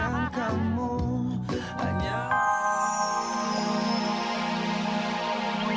anak gue mau nikah sebentar lagi